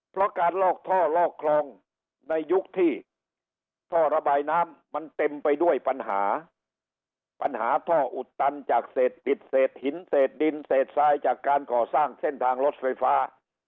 เพราะการลอกท่อลอกคลองในยุคที่ท่อระบายน้ำมันเต็มไปด้วยปัญหาปัญหาท่ออุดตันจากเศษอิดเศษหินเศษดินเศษทรายจากการก่อสร้างเส้นทางรถไฟฟ้า